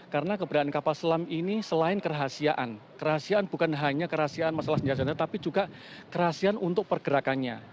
karena keberadaan kapal selam ini selain kerahasiaan kerahasiaan bukan hanya kerahasiaan masalah senjata tapi juga kerahasiaan untuk pergerakannya